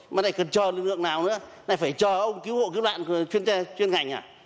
mà này cần cho lực lượng nào nữa này phải cho ông cứu hộ cứu loạn chuyên ngành à